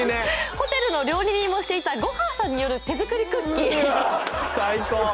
ホテルの料理人もしていたごはんさんによる手作りクッキー最高！